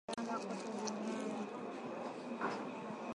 mafuta duniani na kupanda kwa gharama kote duniani